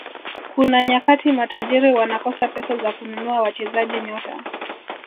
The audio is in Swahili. kuna nyakati matajiri wanakosa pesa za kununua wachezaji nyota